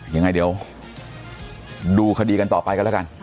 ยังไงเดี๋ยวดูคดีกันต่อไปกันแล้วกัน